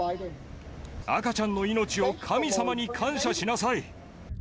赤ちゃんの命を神様に感謝しなさい。